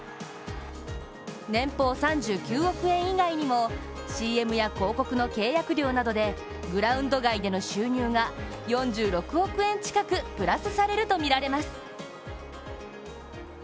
年俸３９億円以外にも、ＣＭや広告の契約料などでグラウンド外での収入が４６億円近くプラスされるとみられます。